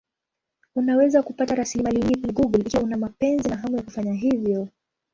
Unaweza kupata rasilimali nyingi kwenye Google ikiwa una mapenzi na hamu ya kufanya hivyo.